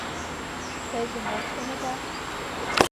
Теже мом шонеда